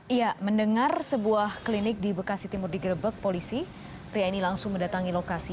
iya mendengar sebuah klinik di bekasi timur digerebek polisi pria ini langsung mendatangi lokasi